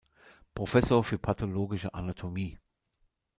Professor für Pathologische Anatomie.